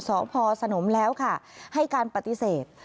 สพสนมแล้วค่ะให้การปฏิเสธ